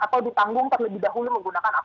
yang ditanggung terlebih dahulu menggunakan apbd